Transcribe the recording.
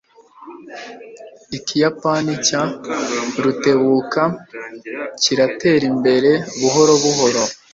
Ikiyapani cya Rutebuka kiratera imbere buhoro buhoro.